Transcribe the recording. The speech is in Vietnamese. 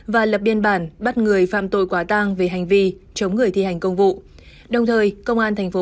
và lập biên bản bắt người phạm tội quá tăng về hành vi chống người thi hành công vụ